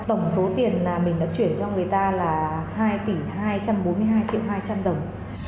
tổng số tiền mà mình đã chuyển cho người ta là hai tỷ hai trăm bốn mươi hai triệu hai trăm linh đồng